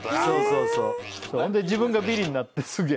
で自分がビリになってすげえ。